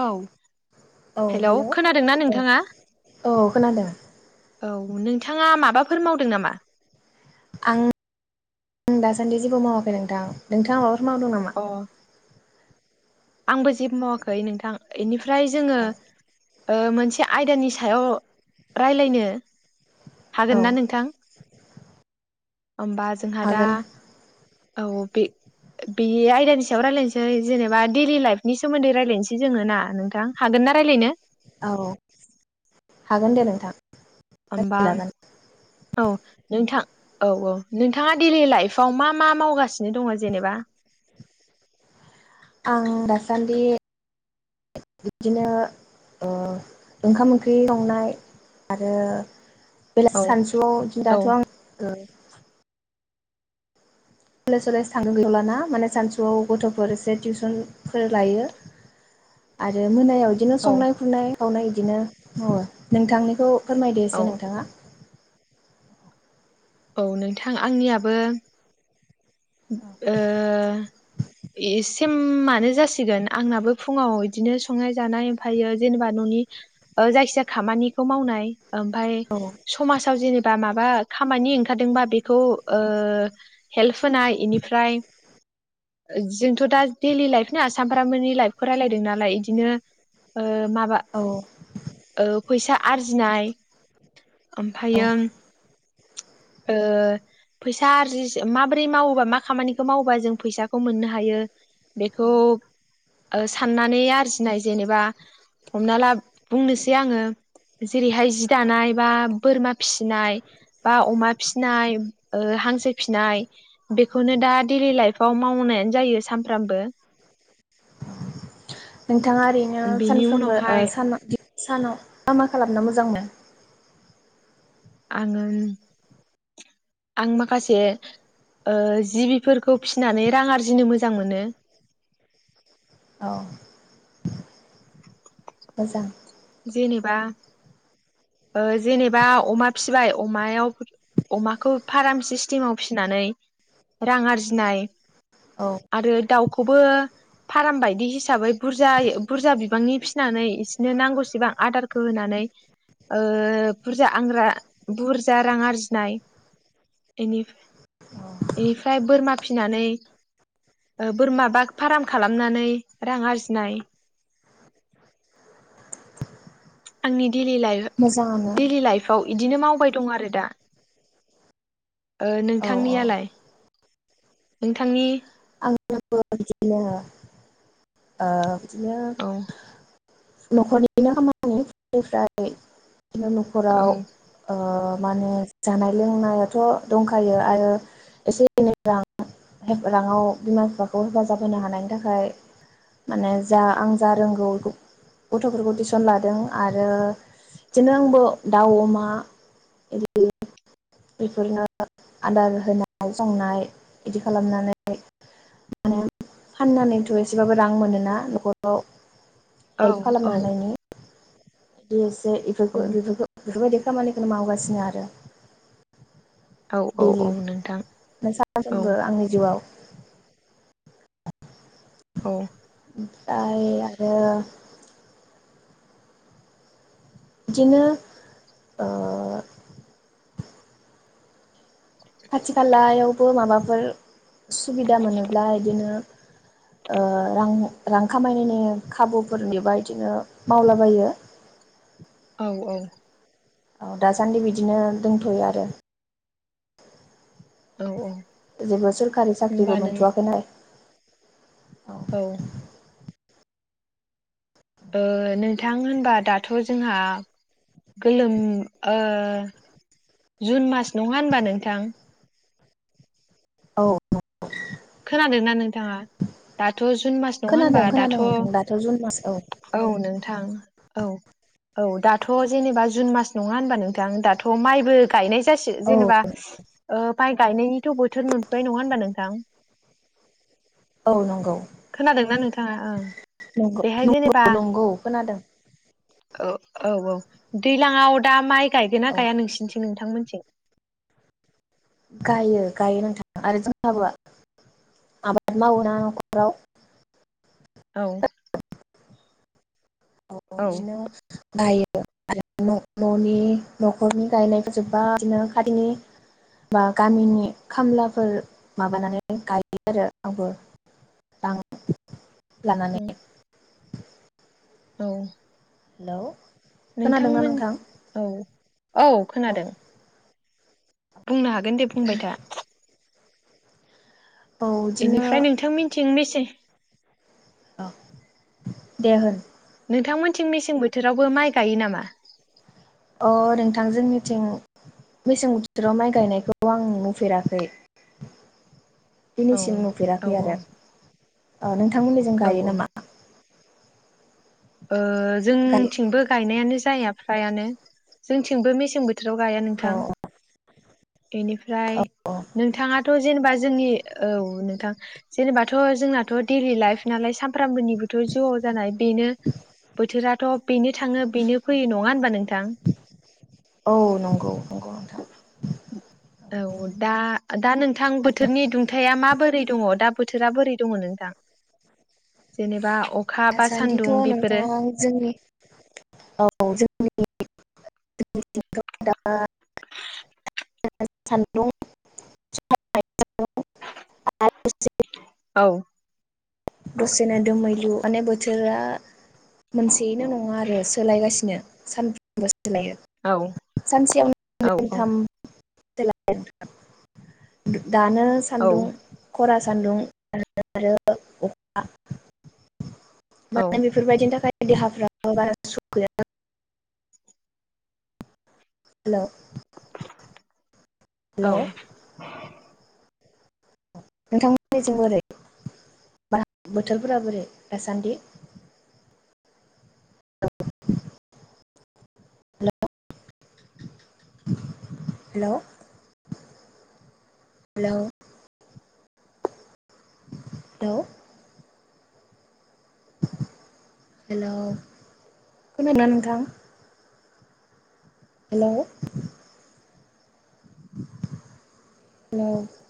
औ हेलौ खोनादोंना औ नोंथाङा? औ खोनादों। औ नोंथाङा माबाफोर मावदों नामा? आं दासान्दि जेबो मावाखै नोंथां। नोंथाङा माबा फोर मावदों नामा? अ आंबो जेबो मावाखै नोंथां इनि फ्राय जोङो औ ओ मोनसे आयदानि सायाव रायलायनो औ हागोनना नोंथां? होमबा जोंहा दा हागोन औ बे बे आयदानि सायाव रायलायनोसै जेनेबा डेइलि लाइफनि सोमोन्दै रायलायनोसै जोङो ना नोंथां हागोन ना रायलायनो? औ हागोन दे नोंथां। होमबा रायज्लायजागोन औ नोंथां औ औ नोंथाङा डेइलि लाइफाव मा मा मावगासिनो दङ' जेनेबा? आं दासान्दि बिदिनो ओ ओंखाम ओंख्रि संनाय आरो बेला औ सानसुआव औ दाथ' आं ओ कलेज-सलेज थांथ'लाना माने सानसुआव गथ'फोर एसे टिउसन फोर लायो आरो मोनायाव बिदिनो औ संनाय खुरनाय खावनो इदिनो नोंथांनिखौ फोरमायदो औ एसे नोंथाङा औ नोंथां आंनियाबो ओ ए सेम मानो जासिगोन आंनाबो फुङाव इदिनो संनाय जानाय ओमफ्रायो जेनेबा न'नि ओ जायखिजाया खामानिखौ मावनाय ओमफाय औ समाजाव जेने बा बामा खामानि ओंखारदोंबा बेखौ ओ हेल्फ होनाय इनिफ्राय जोंथ' दा दैलि लाइफ ना सामफ्रामबोनि लाइफखौ रायलायदों नालाय इदिनो ओ माबा औ ओ फैसा आरजिनाय औ ओमफायो ओ फैसा आरजि माबायदि बोरै मावोबा, मा खामानिखौ मावोबा जों फैसाखौ मोननो हायो बेखौ औ ओ साननानै आरजिनाय जेनेबा हमना ला बुंनोसै आङो जेरैहाय जि दानाय बा बोरमा फिनाय बा अमा फिनाय ओ हांसो फिनाय बेखौनो दा दैलि लाइफव मावनायानो जायो सानफ्रामबो नों बिथाङा ओरैनो बेनि सानफ्रोमबो ओ उनावहाय सा सानाव मा मा खालामना मोजां मोनो? आङो, आं माखासे ओ जिबिफोरखौ फिनानै रां आरजिनो मोजां मोनो। औ मोजां। जेनेबा ओ जेनेबा अमा फिबाय अमायाव अमाखौ फाराम सिस्टिमाव फिनानै रां आरजिनाय, औ आरो दाउ खौबो फाराम बायदि हिसाबै बुरजायै बुरजा बिबांनि फिसिनानै इसिनो नांगौसेबां आदारखौ होनानै ओ बुरजा आंग्रा बुरजा रां आरजिनाय बेनि-बेनिफ्राय बोरमा फिनानै बोरमा बा फाराम खालामनानै रां आरजिनाय। आंनि दैलि लाइ मोजाङानो दैलि लाइफआव बिदिनो मावबाय दं आरो दा ओ औ औ नोंथांनियालाय, नोंथांनि [unintelligible] आ बिनो औ न'खरनिनो खामानि निफ्राय बिदिनो औ न'खराव ओ माने जानाय-लोंनायाथ' दंखायो आरो एसे एनै रां राङाव बिमा-बिफा खौ हेफाजाब होनो हानायनि थाखाय माने जा आं जा रोंगौ गथ'फोरखौ टिउसन लादों आरो बिदिनो आंबो दाउ अमा इदि बेफोरनो आदार होनाय संनाय इदि खालामनानै माने फाननानैथ' एसेबाबो रां मोनोना न'खराव औ हेल्प खालामनो हानायनि [unintelligible] जे औ इफोरखौ बेफोरखौ बेफोरबायदि खामानिखौनो मावगासिनो आरो औ औ औ दैलि नोंथां ओमफाय औ सानफ्रामबो आंनि जिउआव औ ओमफ्राय आरो इदिनो‌ ओ खाथि खालायाव माबाफोर सुबिदा मोनोब्ला इदिनो ओ रां रां खामायनायनि खाबुफोर मोनोबा इदिनो मावलाबायो औ औ औ दासान्दि बिदिनो दोंथ'यो आरो औ औ जेबो सोरखारि होमबा साख्रिबो नों मोनथ'वाखैना औ ओ नोंथां होनबा दाथ' जोंहा गोलोम ओ जुन मास नङा होनबा नोंथां औ औ खोनादोंना नोंथाङा दा थ' जुन मास नङा होनबा खोनादों दाथ' खोनादों नोंथां दाथ' जुन मास औ नोंथां औ औ दाथ' जेनेबा जुन मास नङा होनबा नोंथां दाथ' माइबो गायनाय जासि औ जेनेबा ओ माइ गायनायनिथ' बोथोर मोनफैबाय नङा होनबा नोंथां औ नंगौ खोनादोंना नोंथाङा ओं नंगौ बेहाय जेनेबा नंगौ खोनादों औ औ औ दै लाङाव दा माइ गायगोना औ गाया नोंसिनि थिं नोंथांमोनथिं गायो गायो नोंथां आरो जोंहाबो आबाद मावोना न'खराव औ औ बिदिनो गायो आरो न'नि न'खरनि गायनायफोर जोब्बा बिदिनो खाथिनि बा गामिनि खामलाफोर माबानानै गायो आरो रावबो दां लानानै उम हेल नोंथांमोन औ औ खोनादों बुंनो हागोन दे बुंबाय था औ बिदिनो बेनिफ्राय नोंथांमोनथिं मेसें से औ दे होन नोंथांमोनथिं मेसें बोथोरावबो माइ गायो नामा अ नोंथां जोंनिथिं मेसें बोथोराव माइ गायनायखौ आं नुफेराखै औ दिनैसिम औ नुफेराखै आरो आ नों थां मोनथिं औ गायो नामा ओ गायो जोंथिंबो गायनायानो जाया फ्रायानो जोंथिंबो मेसें बो बोथोराव गाया नोंथां औ बेनिफ्राय औ औ ओमफ्राय नोंथाङाथ' जेनेबा जोंनि औ नोंथां जेनेबाथ' जोंनाथ' दैडलि लाइफ नालाय सामफ्रामबोनिबोथ' जिउआव जानाय बेनो बोथोराथ' बेनो थाङो बेनो फैयो नङा होनबा नोंथां औ नंगौ नंगौ नोंथां औ दा दा नोंथां बोथोरनि दुंथाया माबोरै दङ दा बोथोरा बोरै दङ नोंथां जेनेबा अखा बा दासान्दिथ' सान्दुं बेफोरो नोंथां जोंनि औ जोंनि [unintelligible] सान्दुं औ [unintelligible] दसेनो दोमैलु माने बोथोरा मोनसेयैनो नङा आरो सोलायगासिनो सानफ्रोमबो औ औ औ सानसेयावथाम [unintelligible] दानो औ सान्दुं खरा सान्दुं आरो आरो अखा औ माने बेफोरबायदिनि थाखाय [unintelligible] हेलौ औ हेलौ नोंथांमोननिजों बोरै ब बोथोरफोरा बोरै दासान्दि औ hello hello hello hello hello खोनादों ना नोंथां हेलौ हेलौ